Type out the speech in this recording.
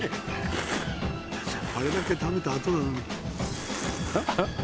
あれだけ食べた後なのに。